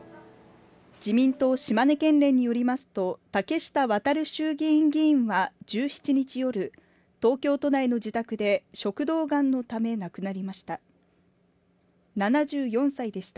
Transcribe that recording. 自民党島根県連によりますと竹下亘衆議院議員は１７日夜東京都内の自宅で食道がんのため、亡くなりました。